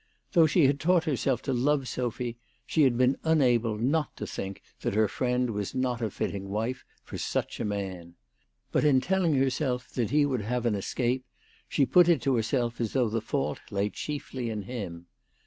Though she had taught herself to love Sophy, she had been unable not to think that her friend was not a fitting wife for such a man. But in telling herself that he would have an escape, she put it to herself as though the fault lay chiefly in him.